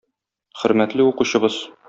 Хөрмәтле укучыбыз!